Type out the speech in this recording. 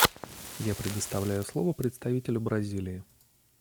Я предоставляю слово представителю Бразилии.